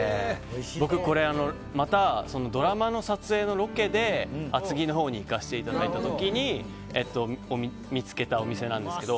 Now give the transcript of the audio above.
僕、またドラマの撮影のロケで厚木のほうに行かせていただいた時に見つけたお店なんですけど。